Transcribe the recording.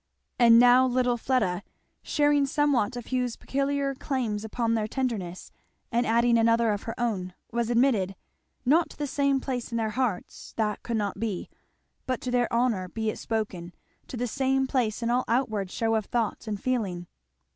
And now little Fleda, sharing somewhat of Hugh's peculiar claims upon their tenderness and adding another of her own, was admitted, not to the same place in their hearts, that could not be, but to their honour be it spoken, to the same place in all outward shew of thought and feeling.